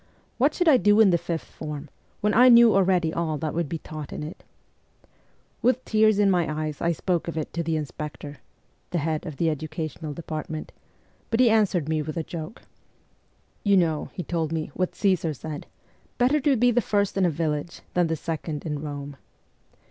What should I do in the fifth form, when I knew already all that would be taught in it ? With tears in my eyes I spoke of it to the inspector (the head of the educational department), but he answered me with a joke. 'You know,' he told me, 'what Caesar said better to be the first in a village than the second in Borne.'